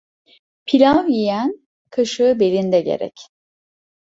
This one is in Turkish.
Pilav yiyen, kaşığı belinde gerek.